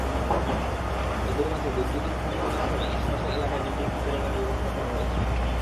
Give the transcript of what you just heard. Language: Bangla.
নদীর মাঝে বৈদ্যুতিক খুঁটির মাধ্যমে আশপাশের এলাকায় বিদ্যুৎ বিতরণের ব্যবস্থা করা হয়েছে।